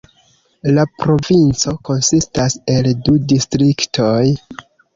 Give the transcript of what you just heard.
La provinco konsistas el du distriktoj.